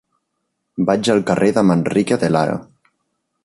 Vaig al carrer de Manrique de Lara.